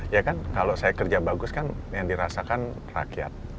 ya kan kalau saya kerja bagus kan yang dirasakan rakyat